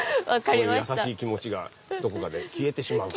そういう優しい気持ちがどこかで消えてしまうと。